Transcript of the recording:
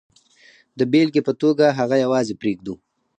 د بېلګې په توګه هغه یوازې پرېږدو.